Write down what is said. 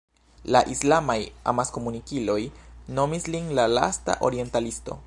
La islamaj amaskomunikiloj nomis lin "la lasta orientalisto".